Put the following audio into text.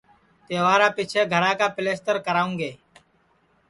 تہوارا پیچھیں گھرا کا پیلستر کراوں گے